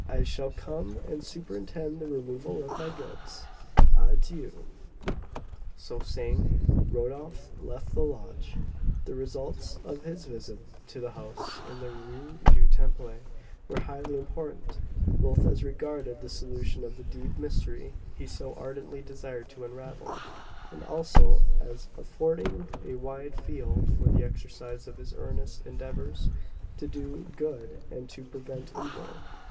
I shall come and superintend the removal of my goods. Adieu!" So saying, Rodolph left the lodge. The results of his visit to the house in the Rue du Temple were highly important, both as regarded the solution of the deep mystery he so ardently desired to unravel, and also as affording a wide field for the exercise of his earnest endeavours to do good and to prevent evil.